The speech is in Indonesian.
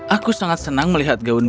aku sangat senang melihat gaun